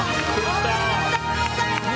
おめでとうございます！